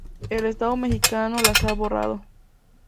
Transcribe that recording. El Estado mexicano las ha borrado.